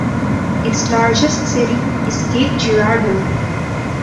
Its largest city is Cape Girardeau.